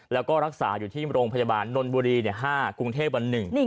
แล้วก็รักษาอยู่ที่โรงพยาบาลนนบุรี๕กรุงเทพวัน๑